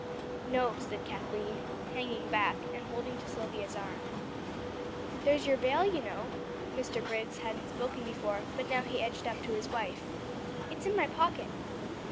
"No," said Kathleen, hanging back, and holding to Silvia's arm. "There's your veil, you know." Mr. Briggs hadn't spoken before, but now he edged up to his wife. "It's in my pocket."